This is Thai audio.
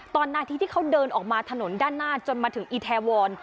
นาทีที่เขาเดินออกมาถนนด้านหน้าจนมาถึงอีแทวร